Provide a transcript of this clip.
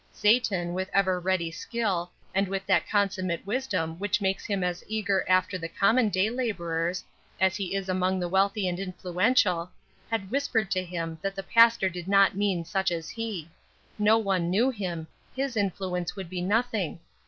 Satan, with ever ready skill, and with that consummate wisdom which makes him as eager after the common day laborers as he is among the wealthy and influential, had whispered to him that the pastor did not mean such as he; no one knew him, his influence would be nothing.